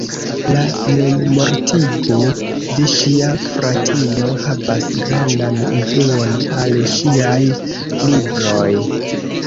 La memmortigo de ŝia fratino havas grandan influon al ŝiaj libroj.